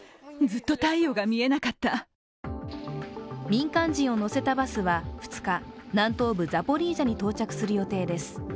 民間人を乗せたバスは２日南東部ザポリージャに到着する予定です。